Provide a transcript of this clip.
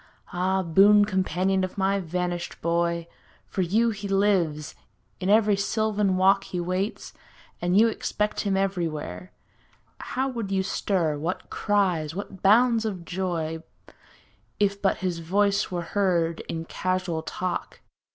Ah, boon companion of my vanished boy. For you he lives; in every sylvan walk He waits; and you expect him everywhere. How would you stir, what cries, what bounds of joy. If but his voice were heard in casual talk.